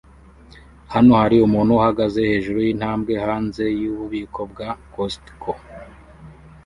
Hano hari umuntu uhagaze hejuru yintambwe hanze yububiko bwa Costco